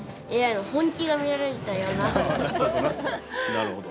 なるほど。